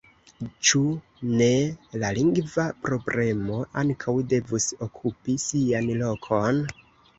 Ĉu ne la lingva problemo ankaŭ devus okupi sian lokon?